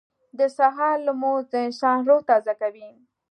• د سهار لمونځ د انسان روح تازه کوي.